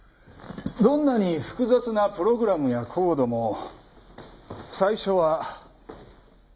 どんなに複雑なプログラムやコードも最初は。